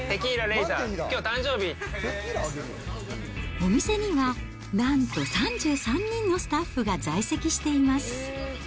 お店には、なんと３３人のスタッフが在籍しています。